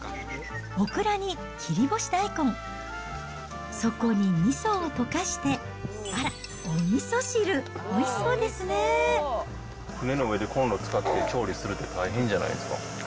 オクラに切り干し大根、そこにみそを溶かして、あら、おみそ汁、船の上でコンロ使って調理するって大変じゃないですか。